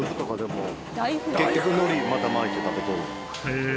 へえ。